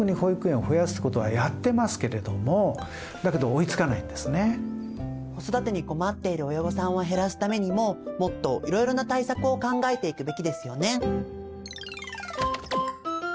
だけどそれじゃあ間に合わない子育てに困っている親御さんを減らすためにももっといろいろな対策を考えていくべきですよね。